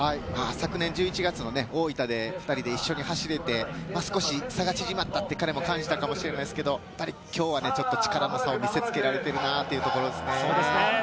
昨年１１月、大分で２人一緒に走れて少し差が縮まったって、彼も感じたかもしれないですけど、今日は力の差を見せ付けられているなというところですね。